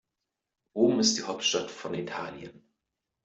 Rom ist die Hauptstadt von Italien.